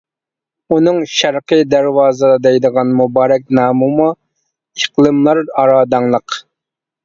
ئۇنىڭ شەرقى دەرۋازا دەيدىغان مۇبارەك نامىمۇ ئىقلىملار ئارا داڭلىق.